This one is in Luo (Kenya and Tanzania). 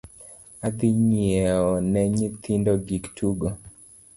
Adhi nyieo ne nyithindo gik tugo